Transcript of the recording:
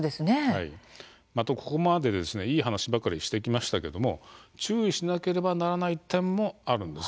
と、ここまでいい話ばかりしてきましたけれども注意しなければならない点もあるんです。